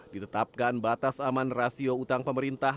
ditetapkan batas aman rasio utang pemerintah